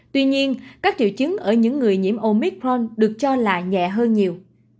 tuy nhiên các triệu chứng ở những người nhiễm omicron được cho là nhẹ hơn nhiều